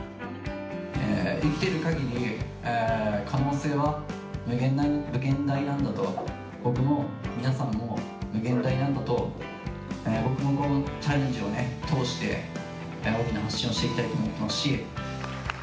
生きているかぎり、可能性は無限大なんだと、僕も皆さんも無限大なんだと、僕のこのチャレンジを通して、大きな発信をしていきたいと思ってますし。